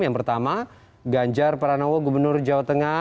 yang pertama ganjar pranowo gubernur jawa tengah